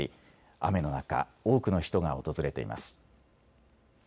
雨の中、多くの人が訪れています。